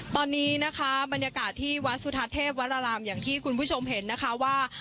ตอนนี้นะคะบรรยากาศที่วัดสุธาเทพวรรารามอย่างที่คุณผู้ชมเห็นนะคะว่า